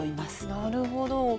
なるほど。